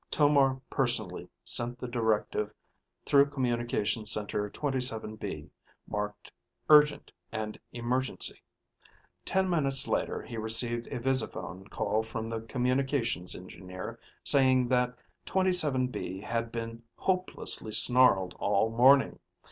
Tomar personally sent the directive through Communications Center 27B, marked urgent and emergency. Ten minutes later he received a visiphone call from the Communications Engineer saying that 27B had been hopelessly snarled all morning.